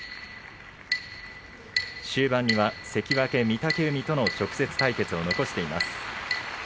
終盤には関脇御嶽海との直接対決を残しています。